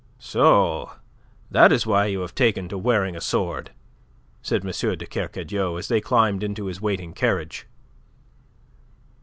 "So that is why you have taken to wearing a sword," said M. de Kercadiou, as they climbed into his waiting carriage.